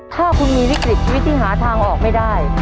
ถ้าคุณมีวิกฤตชีวิตที่หาทางออกไม่ได้